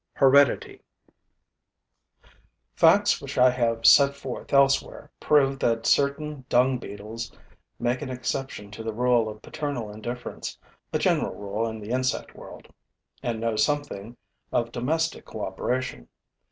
HEREDITY Facts which I have set forth elsewhere prove that certain dung beetles' make an exception to the rule of paternal indifference a general rule in the insect world and know something of domestic cooperation.